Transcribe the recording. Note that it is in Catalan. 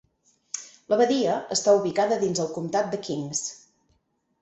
La badia està ubicada dins el Comtat de Kings.